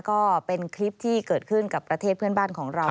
ก็เป็นคลิปที่เกิดขึ้นกับประเทศเพื่อนบ้านของเรา